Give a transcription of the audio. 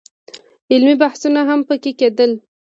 علمي بحثونه هم په کې کېدل.